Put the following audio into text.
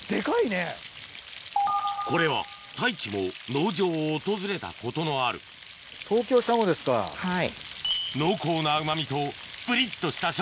これは太一も農場を訪れたことのあるはい。